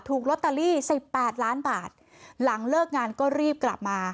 ถูกลอตเตอรี่สิบแปดล้านบาทหลังเลิกงานก็รีบกลับมา